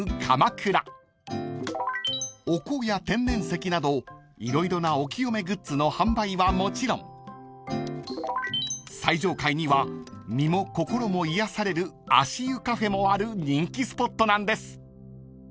［お香や天然石など色々なお浄めグッズの販売はもちろん最上階には身も心も癒やされる足湯カフェもある人気スポットなんです］